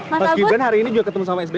mas gibran hari ini juga ketemu sama sby